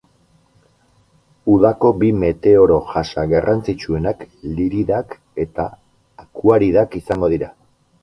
Udako bi meteoro jasa garrantzitsuenak liridak eta eta akuaridak izango dira.